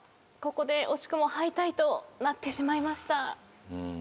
ここで惜しくも敗退となってしまいました。